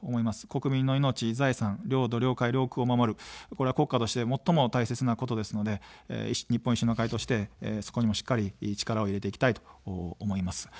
国民の命、財産、領土、領海、領空を守る、これは国家として最も大切なことですので、日本維新の会としてそこにもしっかり力を入れていきたいと思います。